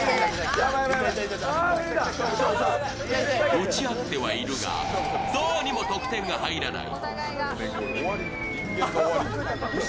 撃ち合ってはいるがどうにも得点が入らない。